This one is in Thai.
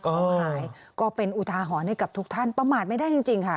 หายก็เป็นอุทาหรณ์ให้กับทุกท่านประมาทไม่ได้จริงค่ะ